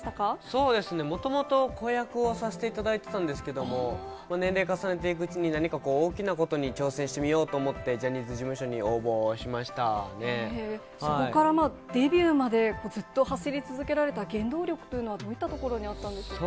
そうですね、もともと子役をさせていただいてたんですけれども、年齢重ねていくうちに、なにかこう、大きなことに挑戦してみようと思って、ジャニーズ事そこからデビューまで、ずっと走り続けられた原動力というのは、どういったところにあったんでしょうか？